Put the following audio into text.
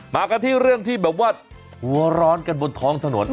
มากันที่เรื่องที่แบบว่าหัวร้อนกันบนท้องถนน